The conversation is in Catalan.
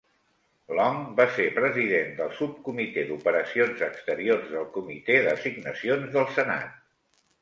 Long va ser president del Subcomitè d'Operacions Exteriors del Comitè d'Assignacions del Senat.